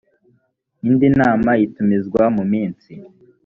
indi nama itumizwa mu minsi